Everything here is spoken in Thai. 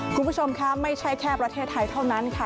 คุณผู้ชมค่ะไม่ใช่แค่ประเทศไทยเท่านั้นค่ะ